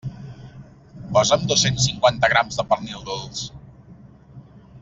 Posa'm dos-cents cinquanta grams de pernil dolç.